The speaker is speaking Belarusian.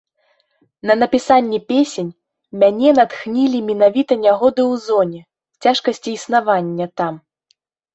На напісанне песень мяне натхнілі менавіта нягоды ў зоне, цяжкасці існавання там.